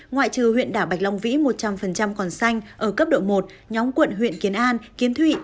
ngoại trừ huyện đảo bạch long vĩ một trăm linh còn xanh ở cấp độ một nhóm quận huyện kiến an kiến thụy